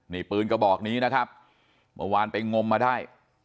นี่ปืนกระบอกนี้นะครับเมื่อวานไปงมมาได้